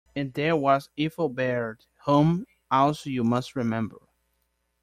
And there was Ethel Baird, whom also you must remember.